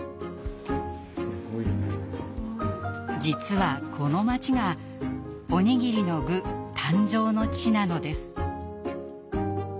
実はこの街が「おにぎりの具」誕生の地なのです。